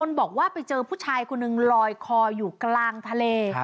บอกว่าไปเจอผู้ชายคนหนึ่งลอยคออยู่กลางทะเล